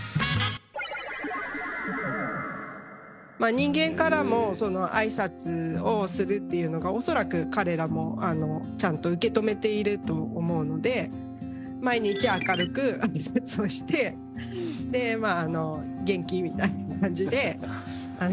人間からもあいさつをするっていうのが恐らく彼らもちゃんと受け止めていると思うので毎日明るくあいさつをして「元気？」みたいな感じで。